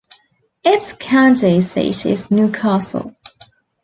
Its county seat is New Castle.